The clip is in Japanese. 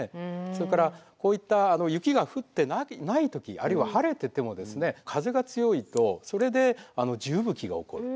それからこういった雪が降ってない時あるいは晴れててもですね風が強いとそれで地吹雪が起こる。